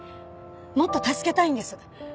もっと助けたいんです。